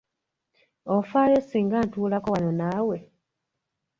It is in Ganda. Ofaayo singa ntuulako wano naawe?